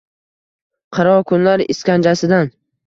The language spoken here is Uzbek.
Qaro kunlar iskanjasidan